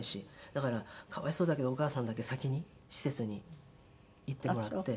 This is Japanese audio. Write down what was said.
だから可哀想だけどお母さんだけ先に施設に行ってもらって。